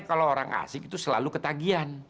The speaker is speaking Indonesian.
kalau orang asik itu selalu ketagihan